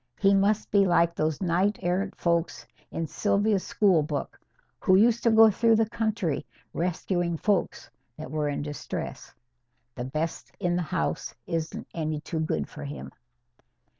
He must be like those knight errant folks in Sylvia's school book, who used to go through the country rescuing folks that were in distress. The best in the house isn't any too good for him."